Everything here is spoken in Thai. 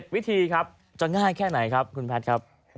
วิธีครับจะง่ายแค่ไหนครับคุณแพทย์ครับ